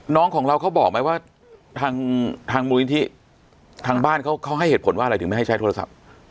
น้องของเราเขาบอกไหมว่าทางทางมูลนิธิทางบ้านเขาเขาให้เหตุผลว่าอะไรถึงไม่ให้ใช้โทรศัพท์